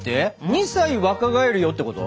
２歳若返るよってこと？